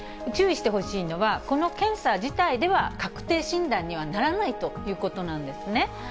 注意してほしいのは、この検査自体では確定診断にはならないということなんですね。